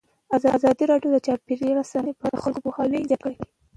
ازادي راډیو د چاپیریال ساتنه په اړه د خلکو پوهاوی زیات کړی.